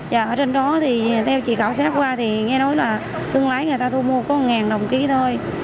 và ở trên đó thì theo chị khảo sát qua thì nghe nói là thương lái người ta thu mua có một đồng ký thôi